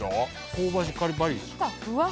香ばしいパリパリ。